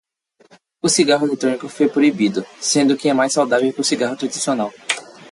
O cigarro eletrônico foi proibido sendo que é mais saudável que o cigarro tradicional